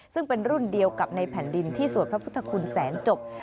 ซึ่งเป็นรุ่นเดียวกับในแผ่นดินที่สวดพระพุทธคุณแสนจบ